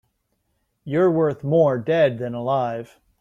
You're worth more dead than alive.